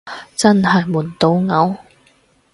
真係悶到嘔